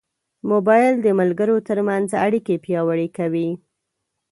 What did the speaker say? موبایل د ملګرو ترمنځ اړیکې پیاوړې کوي.